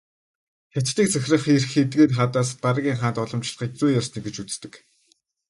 Хятадыг захирах эрх эдгээр хаадаас дараагийн хаанд уламжлахыг "зүй ёсны" гэж үздэг.